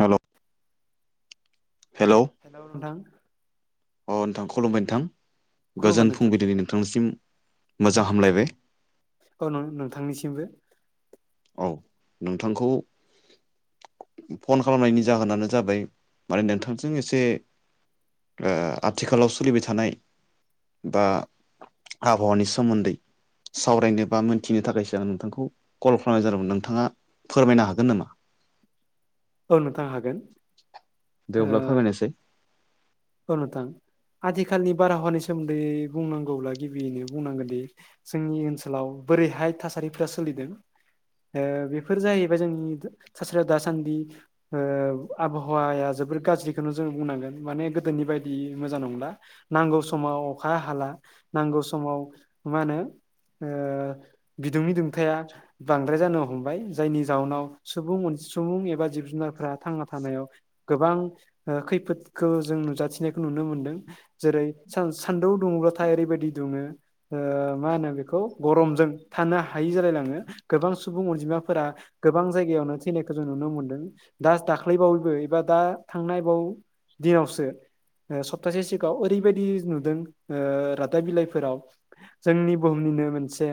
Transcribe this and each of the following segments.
हेल' hello hello नोंथां अ नोंथां खुलुमबाय नोंथां खुलुमबाय गोजोन नोंथां फुंबिलिनि नोंथांनिसिम। मोजां हामलायबाय। औ नोंथांनिसिमबो। औ नोंथांखौ फन खालामनायनि जाहोनानो जाबाय माने नोंथांजों एसे ओ आथिखालाव सोलिबाय थानाय बा आबहावानि सोमोन्दै सावरायनो बा मोनथिनो थाखायसो आं नोंथांखौ कल खालामनाय जादोंमोन नोंथाङा फोरमायनो हागोन नामा? औ नोंथां हागोन। दे अब्ला फोरमायनायसै। औ नोंथां आथिखालनि बारहावानि सोमोन्दै बुंनांगौब्ला गिबियैनो बुंनांगोन दि जोंनि ओनसोलाव बोरै बेहाय थासारिफोरा सोलिदों ओ बेफोर जाहैबाय जोंनि थासारिया दासान्दि ओ आबहावाया जोबोर गाज्रिखौनो जों बुंनांगोन माने गोदोनि बायदि मोजां नंला। नांगौ समाव अखा हाला नांगौ समाव मा होनो? ओ बिदुंनि दुंथाया बांद्राय जानो हमबाय जायनि जाहनाव सुबुं अन- सुबुं एबा जिब जुनारफ्रा थांना थानायाव गोबां ओ खैफोदखौ जों नुजाथिनायखौ नुनो मोनदों। जेरै सान्दुं दुङोब्लाथाय ओरैबायदि दुङो ओ मा होनो बेखौ गरमजों थानो हायि जालायलाङो गोबां सुबुं अनजिमाफोरा गोबां जायगायावनो थैनायखौ जों नुनो मोनदों। जास दाख्लैबावैबो एबा दा थांनायबाव दिनावसो ओ सप्तासे सिगाङाव ओरैबायदि नुदों ओ रादाब बिलाइफोराव जोंनि बुहुमनि नो मोनसे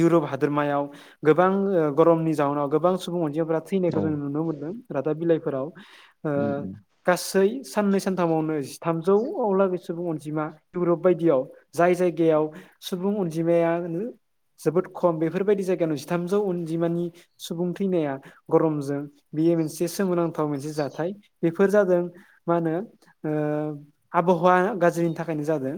इउरप हादोरमायाव गोबां ओ गरमनि जाउनाव गोबां सुबुं औ थैनायखौ जों नुनो मोनदों रादाब बिलाइफोराव ओ उम गासै साननै सानथामावनो जिथामजौआवलागै सुबुं अनजिमा इउरप बायदियाव जाय जायगायाव सुबुं अनजिमाया जोबोद खम बेफोरबायदि जायगायाव जिथामजौ अनजिमानि सुबुं थैनाया गरमजों बेयो मोनसे सोमोनांथाव मोनसे जाथाय बेफोर जादों मा होनो ओ आब बहाया गाज्रिनि थाखायनो जादों।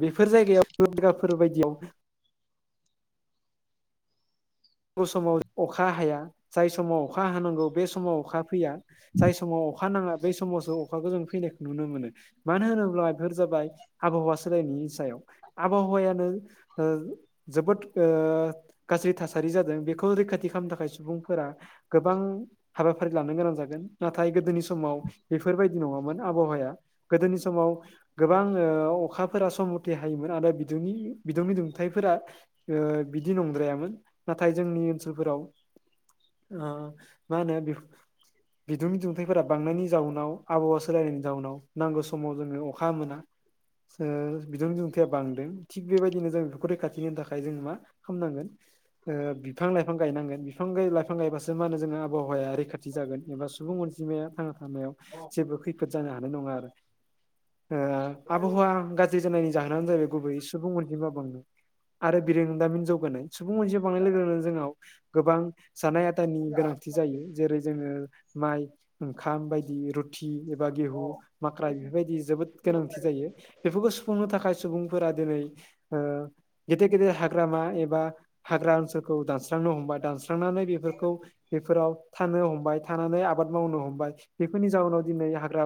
बेफोर जायगायाव फोर बायदियाव नांगौ समाव अखा हाया जाय समाव अखा हानांगौ बे समाव अखा फैया जाय समाव अखा नांङा बै समावसो अखाखौ जों फैनायखौ नुनो मोनो मानो होनोब्ला बेफोर जाबाय आबहावा सोलायनाय सायाव आबहावायानो ओ जोबोद गाज्रि थास जादों बेखौ रैखाथि खालामनो थाखाय सुबुंफोरा गोबां हाबाफारि लानो गोनां जागोन नाथाय गोदोनि समाव बेफोरबायदि नङामोन आबहावाया गोदोनि समाव गोबां अखा फोर सम मथे हायोमोन आरो बिनि बिदुंनि दुंथाइफोरा ओ बिदि नंद्रायामोन। नाथाय जोंनि ओनसोलफोराव ओ मा होनो? बिदुं दुंथफोरा बांनायनि जाउनाव आबहावा सोलायनायनि जाउनाव नांगौ समाव जोंङो अखा मोना। ओ बिदुं दुंथाया बांदों थिग बेबायदिनो जों बेफोरखौ रैखाथि होनो थाखाय जों मा खामनांगोन ओ बिफां लाइफां गायनांगोन बिफां लाइफां गायबासो मा होनो आबहावाया रैखाथि जागोन एबा सुबुंसे बिमाया थांना थानायाव जेबो खैफोद जानो हानाय नंङा आरो। ओ आबहावा गाज्रि जानायनि जाहोनानो जाबाय गुबैै सुबुं अनजिमा बांनो आरो बिरोंदामिन जौगानाय सुबुं अन गोबां लोगो लोगोनो जोंनाव गोबां जानाय आदारानि गोनांथि जायो जेरै जोंङो माइ ओंखाम बायदि रुथि एबा गेहु माख्राय बेफोरबायदि जोबो गोनांथि जायो बेफोरखौ सुफुंनो थाखाय सुबुंफोरा दिनै ओ गेदेर गेदेर हाग्रामा एबा हाग्रा ओनसोलखौ दानस्रांनो हमबाय दानस्रांनानै बेफोरखौ बेफोराव थानो हमबाय थानानै आबाद आबाद मावनो हमबाय बेफोरनि जाउनाव दिनै हाग्रा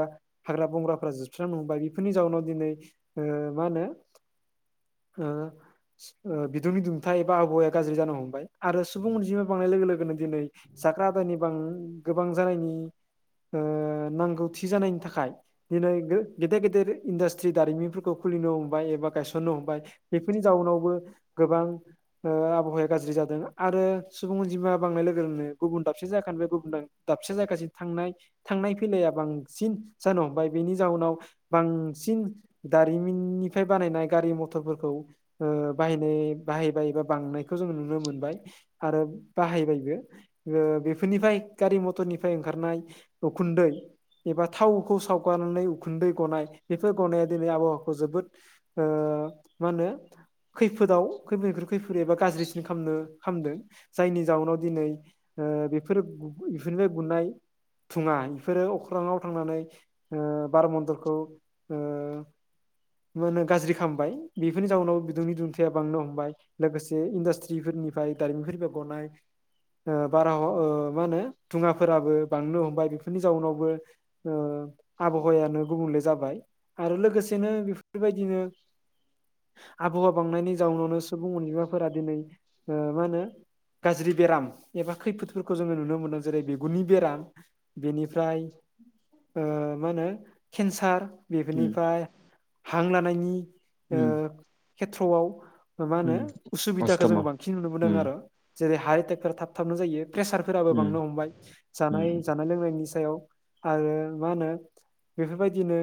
हाग्रा बंग्राफोरा जोबस्रांनो हमबाय बेफोरनि जाउनाव दिनै ओ मा होनो ओ ओ बिदुंनि दुंथाय एबा आबावाहा गाज्रि जानो हमबाय आरो सुबुं अनजिमा बांनाय लोगो लोगोनो दिनै जाग्रा आदारनि बां गोबां जानायनि नि ओ नांगौ थि जानायनि थाखाय दिनै गेदेर गेदेर इन्डास्ट्रि दारिमिनफोरखौ खुलिनो हमबाय एबा गायसननो हमबाय बेफोरनि जाउनावबो गोबां ओ आब हावाया गाज्रि जादों आरो सुबुं अजिमा बांनाय लोगोनो गुबुन दाबसे जायाखानि बे गुबुन दाबसे जागासि थांनाय थांनाय फैलाया बांसिन जानो हमबाय बेनि जाउनाव बांसिन दारिमिननिफ्राय बानायनाय गारि मथरफोरखौ ओ बाहायनाय बाहायबाय बा बांनाय खौ जों नुनो मोनबाय आरो बाहायबायबो ओ बेफोरनिफाय गारि मथरनिफाय ओंखा खारनाय उखुन्दै एबा थावखौ सावगारनानै उखुन्दै गनाय बेफोर गनाया दिनै आबहावाखौ जोबोद ओ ओ माहोनो खैफोदाव खैफोदनिख्रुइ खैफोर एबा गाज्रिसिन खालामनो खामदों जायनि जाउनाव दिनै ओ बेफोर बेफोरनिफ्राय गुनाय दुङा बेफोरो अख्रांव थांनानै ओ बार मन्दलखौ ओ मा होनो गाज्रि खामबाय बेफोरनि जाउनाव बिदुंनि दुंथाया बांनो हमबाय लोगोसे इडास्ट थ्रिफोरनिफाय दारिमिनफोरनि गनाय ओ बारहाव ओ मा होनो दुङाफोराबो बांनो हमबाय बेफोरनि जाउनावबो ओ आबहावायानो गुबुंले जाबाय आरो लोगोसेनो बेफोरबायदिनो आबहावा बांनायनि जाउनावनो सुबुं अनजिमाफोरा दिनै ओ मा होनो गाज्रि बेराम एबा खैफोदफोरखौ जोङो नुनो मोनदों जेरै बिगुरनि बेराम बेनि फ्राय ओ मा होनो केन्सार उम बेफोरनिफाय हां लानायनि ओ उम खेथ्र'आव ओ माहोनो उम उसुबिदाखौ जों अस्थमा बां नुबोदों उम आरो जेरै हार्ट एटेकफोरा थाब थाबनो जायो। प्रेसारफोराबो उम बांनो हमबाय। जानाय उम जानाय लोंनायनि सायाव आरो मा होनो बेफोरबायदिनो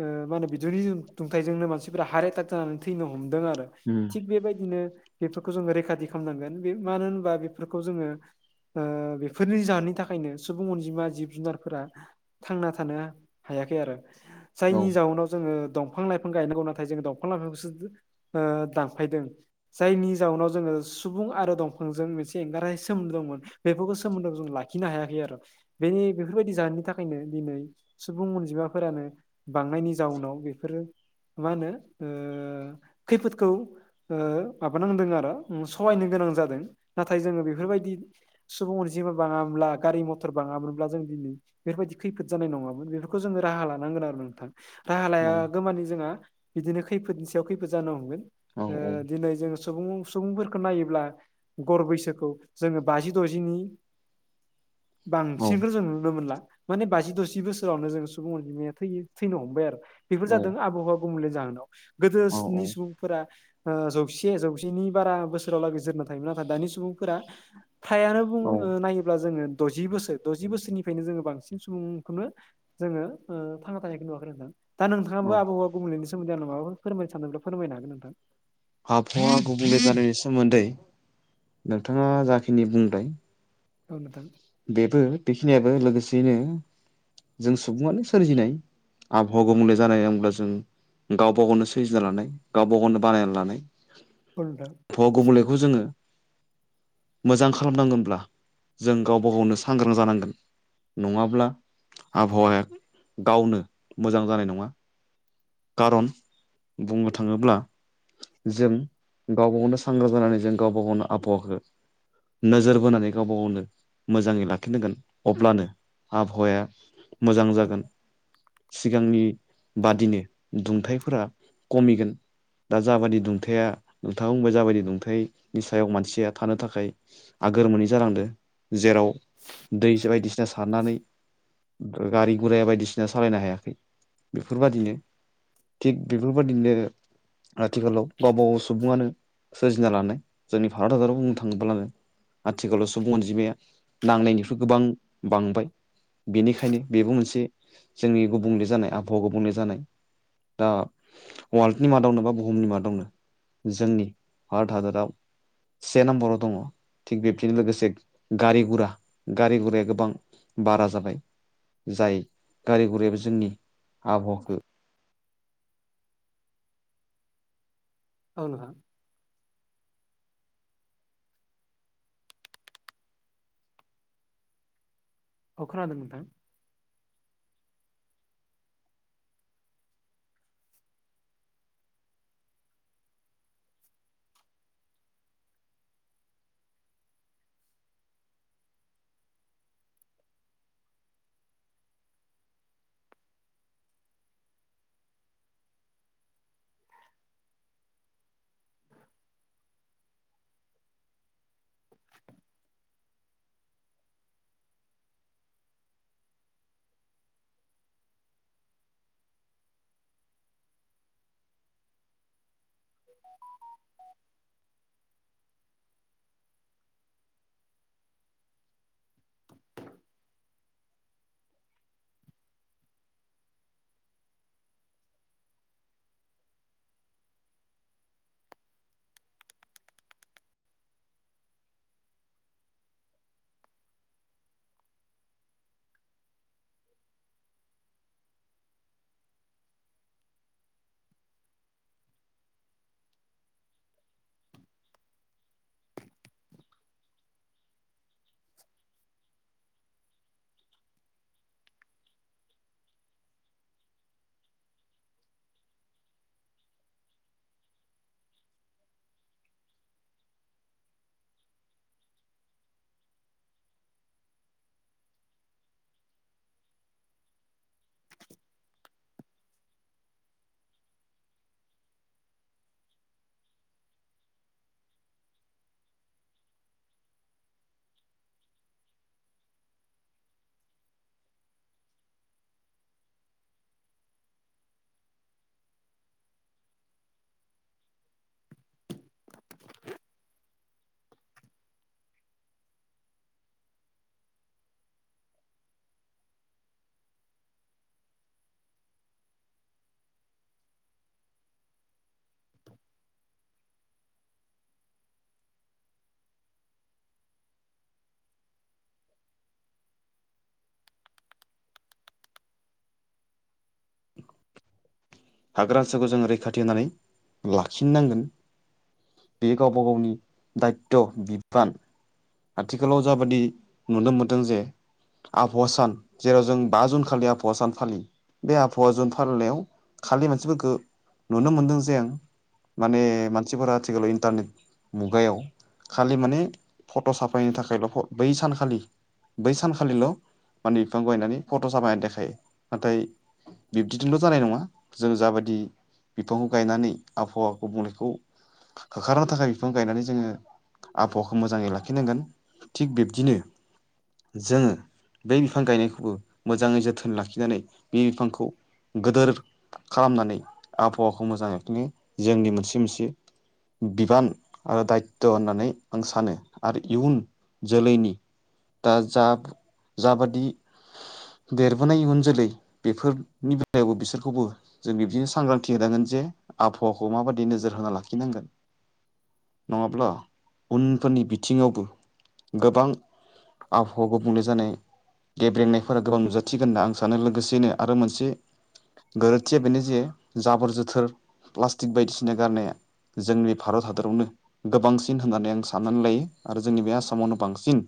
ओ मा होनो बिदुनि दुंथाय जोंनो मानसिफोरा हार्ट एटाक जानानै थैनो हम दों आरो उम थिग बेबायदिनो बेफोरखौ जों रैखा थि खामनांगोन बे मानो होनबा बेफोरखौ जोङो ओ बेफोरनि जाहोननि थाखायनो सुबुं अनजिमा जिब जुनारफोरा थांना थानो हाय याखै आरो औ जायनि जाउनाव जोङो दंफां-लाइफां गायनांगौ नाथाय जोङो दंफां लाइफांखौसो ओ दानफायदों जायनि जाउनाव जोङो सुबुं आरो दंफांजों मोनसे एंगाराय सोमोन्दो दंमोन बेफोरखौ सोमोन्दो जों लाखिनो हायाखै आरो। बेनि बेफोरबायदि जाहोननि थाखायनो दिनै सुबुं अनजिमाफोरानो बांनायनि जाउनाव बेफोरो मा होनो ओ खैफोदखौ ओ माबानांदों आरो उम सहायनो गोनां जादों नाथाय जोङो बेफोरबायदि सुबुं अनजिमा बाङा मोनब्ला गारि मथर बां ङामोनब्ला जों दिनै बेबायदि खैफोद जानाय नङामोन बेफोरखौ जोङो राहा लानांगोन आरो नोंथां। राहा लाया औ गोमानि जोंहा बिदिनो खैफोदनि सायाव खैफोद जानो हमगोन। औ ओ दिनै जों सुबुं सुबुंफोरखौ नायोब्ला गर बैसोखौ जोङो बाजि द'जिनि औ बांसिनखौ जों नुनो मोनला माने बाजि दजि बोसोरावनो जों सुबुं अनजिमाया थैयो थैनो हमबाय आरो। बेफोर जादों आबहावा गुबुंले जाहोनाव औ गोदोनि सुबुंफोरा ओ जौसे जौस नि बारा बोसोरावलागै जोरना थायोमोन नाथाय दानि सुबुंफोरा थायानो औ बुङो नायोब्ला जोङो द'जि बोसोर द'जि बोसोरनिफ्रायनो जोङो बांसिन सुबुंखौनो जोङो ओ थांना थानायखौ नुवाखै नोंथां। दा औ नोंथाङाबो आबहावा गुबुंलेनि सोमोन्दै आंनो माबाफोर फोरमायनो सानदोंब्ला फोरमायनो हागोन नोंथां। आबहावा गुबुंले जानायनि सोमोन्दै नोंथाङा जाखिनि बुंबाय औ नोंथां। बेबो बेखिनियाबो लोगोसेयैनो जों सुबुआनो सोरजिनाय। आबहावा गुबुंले जानाय होनब्ला जों गावबा गावनो सोरजिना लानाय गावबा गावनो बानायना लानाय। औ भ गुबुंलेखौ जोङो मोजां खालामनांगोनब्ला गावबा गावनो सांग्रां जानांगोन नङाब्ला आबहावाया गावनो मोजां जानाय नङा। कारन बुंनो थाङोब्ला जों गावबा गावनो सांग्रां जानानै जों गावबा गावनो आबहावाखौ नोजोर बोनानै गावबा गावनो मोजाङै लाखिनांगोन अब्लानो आबहावाया मोजां जागोन सिगांनि बादिनो। दुंथाइफोरा कमिगोन। दा जाबायदि दुंथाया नोंथाङा बुंबाय जाबायदि दुंथाइनि सायाव मानसिया थानो थाखाय आगोर मोनै जालांदो जेराव दै बायदिसिना सारनानै गारि गुरा बायदिसिना सालायनो हायाखै बेफोरबादिनो थिग बेफोरबायदिनो आथिखालाव गावबा गाव सुबुङानो सोरजिना लानाय जोंनि भारत हादराव बुंनो थाङोब्लानो आथिखालाव सुबुं अनजिमाया नांनायनिफ्राय गोबां बांबाय। बेनिखायनो बेबो मोनसे जोंनि गुबुंले जानाय आबहावा गुबुंले जानाय दा वाल्दनि मादावनो बा बुहुमनि मा दावनो जोंनि भारत हादराव से नाम्बराव दङ'। थिग बेब्दिनो लोगोसे गारि गुरा गारि गुराया गोबां बारा जाबाय। जाय गारि गुरायाबो जोंनि आबहावाखौ औ नोंथां। औ खोनादों नोंथां। [inaudible] [inaudible] हाग्रा ओनसोलखौ जोङो रैखाथि होनानै लाखिनोनांगोन। बे गावबा गावनि दायत' बिबान। आथिखालाव जाबादि नुनो मोनदों जे आबहावा सान जेराव जों बा जुन खालि आबहावा सान फालियो। बे आबहावा जुन फालिनायाव खालि मानसिफोर नुनो मोनदों जे आं माने मानसिफोरा आथिखालाव इन्टारनेट मुगायाव खालि माने फट' साफायनो थाखायल' बै सानखालि बै सानखालिल' माने बिफां गायनानै फट' साफायनानै देखायो नाथाय बिब्दिजोंल' जानाय नंङा जोंङो जाबायदि बिफांखौ गायनानै आबहावाखौ बुंनायखौ होखारनो थाखाय बिफां गायनानै जोंङो आबहावाखौ मोजांङै लाखि लाखिनांगोन थिग बिब्दिनो जोंङो बे बिफां गायनायखौबो मोजांङै जोथोन लाखिनानै बे बिफांखौ गोदोर खालामनानै आबहावाखौ मोजां लाखिनो जोंनि मोनसे मोनसे बिबान आरो दायथ' होननानै आं सानो। आरो इयुन जोलैनि दा जा जाबादि देरबोनाय इयुन जोलै बेफोरनि बेलायावबो बिसोरखौबो जों बिदिनो सांग्रांथि होनांगोन। जे आबहावाखौ माबायदि नोजोर होना लाखिनांगोन। नंङाब्ला उनफोरनि बिथिंङावबो गोबां आबावाहा गुबुंले जानाय गेब्रेंनायफोरा गोबां नुजाथिगोन होनना आं सानो लोगोसेनो आरो मोनसे गोरोन्थिया बेनो जे जाबोर जोथोर प्लास्टिक बायदिसिना गारनाया। जोंनि भारत हादरावनो गोबांसिन होननानै आं साननानै लायो। आरो जोंनि बे आसामावनो बांसिन